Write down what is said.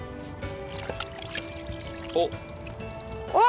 おっ！